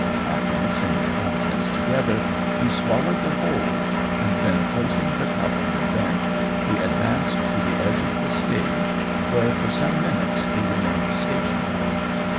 After mixing the contents together, he swallowed the whole, and then placing the cup on the bench he advanced to the edge of the stage, where for some minutes he remained stationary.